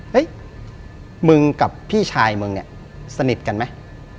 เฮ้ยมึงกับพี่ชายมึงสนิทกันไหม